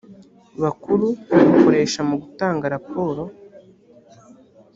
bakuru bakoresha mu gutanga raporo